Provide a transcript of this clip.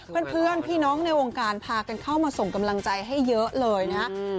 เพื่อนพี่น้องในวงการพากันเข้ามาส่งกำลังใจให้เยอะเลยนะครับ